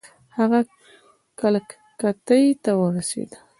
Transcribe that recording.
هغه کلکتې ته ورسېدی.